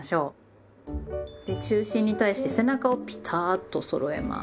で中心に対して背中をピタッとそろえます。